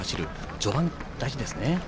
序盤が大事ですね。